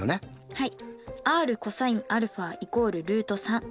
はい。